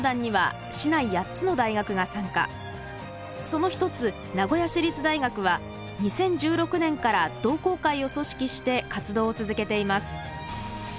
その一つ名古屋市立大学は２０１６年から同好会を組織して活動を続けています。